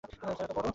Sir, এতো বড়?